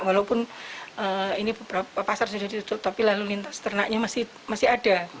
walaupun ini beberapa pasar sudah ditutup tapi lalu lintas ternaknya masih ada